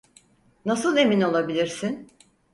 Nasıl emin olabilirsin?